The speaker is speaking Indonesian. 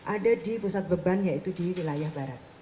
ada di pusat beban yaitu di wilayah barat